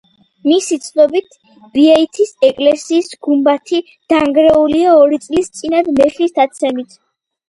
მისი ცნობით: „ბიეთის ეკლესიის გუმბათი დანგრეულია ორი წლის წინათ მეხის დაცემით“.